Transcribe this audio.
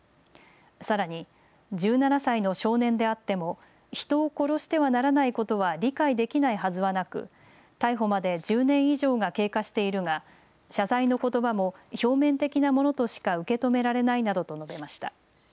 さらに、１７歳の少年であっても人を殺してはならないことは理解できないはずはなく逮捕まで１０年以上が経過しているが謝罪のことばも表面的なものとしか受け止められないなどと述べました。